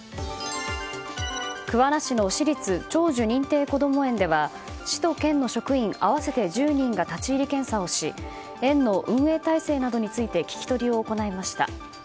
桑名市の私立長寿認定こども園では市と県の職員合わせて１０人が立ち入り検査に入り園の運営体制などについて聞き取りを行いました。